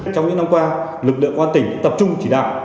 trong những năm qua lực lượng quan tỉnh tập trung chỉ đạo